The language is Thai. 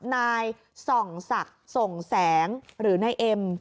นายส่องศักดิ์ส่งแสงหรือนายเอ็ม